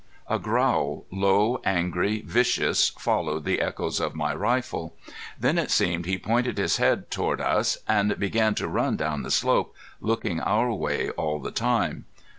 A growl, low, angry, vicious followed the echoes of my rifle. Then it seemed he pointed his head toward us and began to run down the slope, looking our way all the time.